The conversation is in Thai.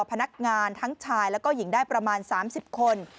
พนักงานทั้งชายแล้วก็หญิงได้ประมาณ๓๐คน